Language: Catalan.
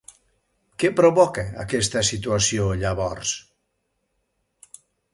Què provoca aquesta situació, llavors?